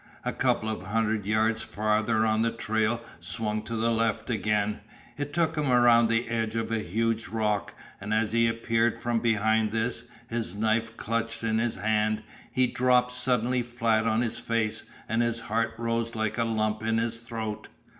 A couple of hundred yards farther on the trail swung to the left again; it took him around the end of a huge rock, and as he appeared from behind this, his knife clutched in his hand, he dropped suddenly flat on his face, and his heart rose like a lump in his throat.